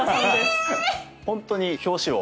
本当に表紙を。